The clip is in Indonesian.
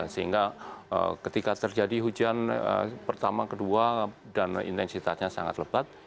sehingga ketika terjadi hujan pertama kedua dan intensitasnya sangat lebat